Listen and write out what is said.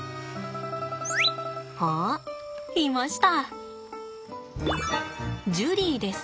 あっいました。